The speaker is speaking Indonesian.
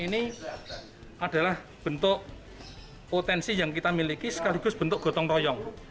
ini adalah bentuk potensi yang kita miliki sekaligus bentuk gotong royong